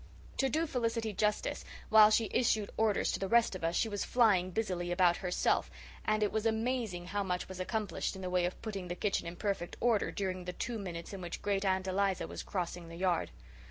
To do Felicity justice, while she issued orders to the rest of us, she was flying busily about herself, and it was amazing how much was accomplished in the way of putting the kitchen in perfect order during the two minutes in which Great aunt Eliza was crossing the yard.